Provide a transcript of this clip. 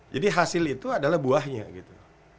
jadi hasil itu adalah buahnya gitu